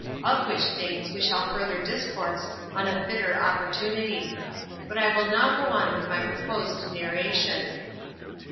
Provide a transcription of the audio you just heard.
Of which things we shall further discourse on a fitter opportunity; but I will now go on with my proposed narration.